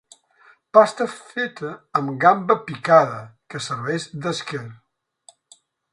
Pasta feta amb gamba picada, que serveix d'esquer.